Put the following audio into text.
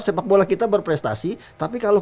sepak bola kita berprestasi tapi kalau